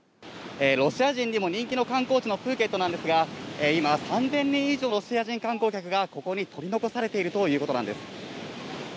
ロシア人にも人気の観光地のプーケットなんですが、今、３０００人以上のロシア人観光客が、ここに取り残されているということなんです。